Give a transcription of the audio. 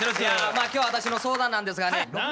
まあ今日は私の相談なんですがね。